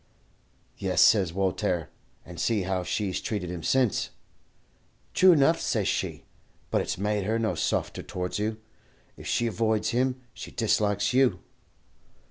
"'Yes,' says Woltaire, 'and see how she's treated him since.' "'True enough,' says she; 'but it's made her no softer towards you. If she avoids him, she dislikes you.'